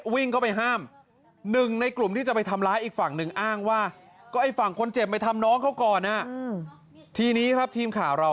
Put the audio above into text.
พี่ขาวได้ดึกได้คุยกับป้าป้าเล่าให้ฟังว่าไอวันเกิดเหตุในกลุ่มผู้ก่อเหตุมากันสิบกว่าคนน่ะ